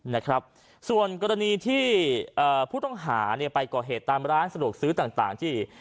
นะครับส่วนกรณีที่เอ่อผู้ต้องหาเนี่ยไปก่อเหตุตามร้านสะดวกซื้อต่างต่างที่